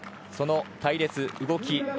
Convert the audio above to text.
その隊列、動き。